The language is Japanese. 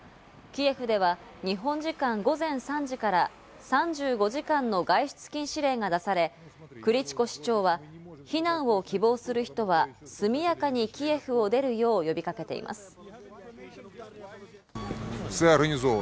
キエフでは日本時間午前３時から３５時間の外出禁止令が出され、クリチコ市長は避難を希望する人は速やかにキエフを出るよう呼びかけています。